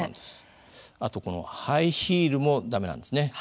あとこのハイヒールも駄目なんですね。